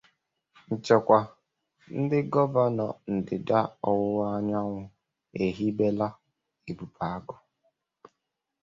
Nchekwa: Ndị Gọvanọ Ndịda-Ọwụwa Anyanwụ Ehibela "Ebube Agụ"